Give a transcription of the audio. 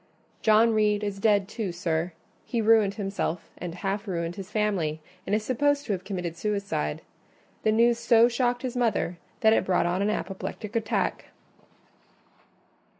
"John Reed is dead, too, sir: he ruined himself and half ruined his family, and is supposed to have committed suicide. The news so shocked his mother that it brought on an apoplectic attack."